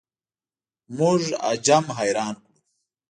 موږ عجم حیران کړو.